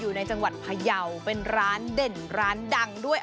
อยู่ในจังหวัดพยาวเป็นร้านเด่นร้านดังด้วย